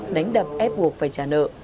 đánh đập ép buộc phải trả nợ